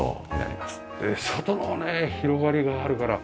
外のね広がりがあるから。